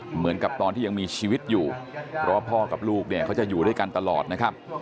เหมือนกับตอนที่ยังมีชีวิตอยู่เพราะว่าพ่อกับลูกเนี่ยเขาจะอยู่ด้วยกันตลอดนะครับ